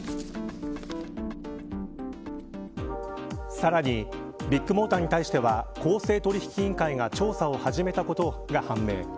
さらにビッグモーターに対しては公正取引委員会が調査を始めたことが判明。